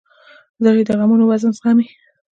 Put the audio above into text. زړه د غمونو وزن زغمي.